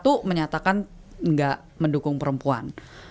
itu menyatakan nggak mendukung perempuan